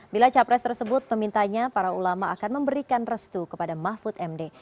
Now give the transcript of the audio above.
bila capres tersebut memintanya para ulama akan memberikan restu kepada mahfud md